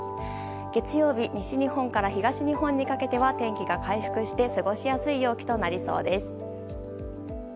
月曜日、西日本から東日本にかけては天気が回復して過ごしやすい陽気となりそうです。